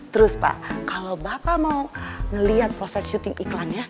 terus pak kalau bapak mau melihat proses syuting iklannya